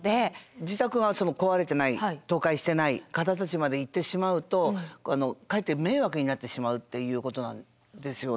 自宅は壊れてない倒壊してない方たちまで行ってしまうとかえって迷惑になってしまうということなんですよね？